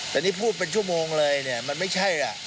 แต่นี่พูดเป็นชั่วโมงเลยเนี่ยมันไม่ใช่ล่ะ